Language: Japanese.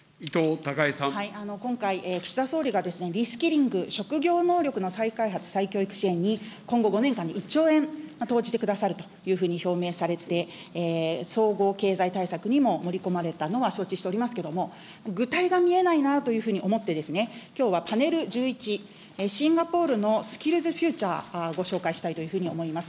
今回、岸田総理がリスキリング、職業能力の再開発・再教育支援に、今後５年間で１兆円投じてくださるというふうに表明されて、総合経済対策にも盛り込まれたのは承知しておりますけれども、具体が見えないなというふうに思って、きょうはパネル１１、シンガポールのスキルズフューチャー、ご紹介したいというふうに思います。